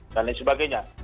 dan lain sebagainya